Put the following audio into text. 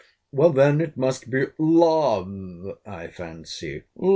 Well, then, it must be LOVE, I fancy.